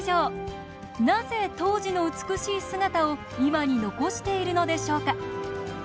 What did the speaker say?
なぜ当時の美しい姿を今に残しているのでしょうか。